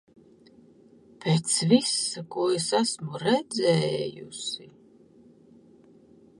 Pēc visa, ko es esmu redzējusi...